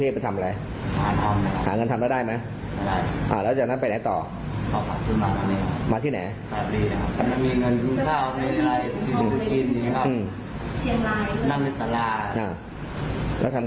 หิวข้าวอะไรต้องนอนเล่น